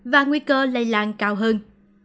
và nguy cơ lây lan cao hơn